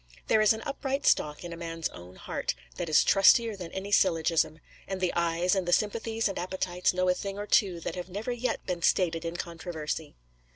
There is an upright stock in a man's own heart, that is trustier than any syllogism; and the eyes, and the sympathies and appetites, know a thing or two that have never yet been stated in controversy.